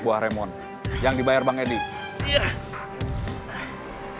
buah prem untuk negara bor practices